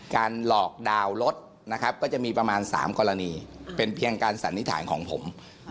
การหลอกดาวน์รถจะมีประมาณ๓กรณีเป็นเพียงการสันนิถ่ายของผม